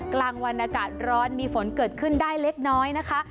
กลางวันอากาศร้อนมีฝนเกิดขึ้นได้เล็กน้อยนะคะ